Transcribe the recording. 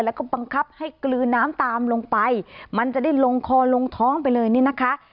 แล้วก็บังคับให้กลืนน้ำตามลงไปมันจะได้ลงคอลงท้องไปเลยนี่นะคะ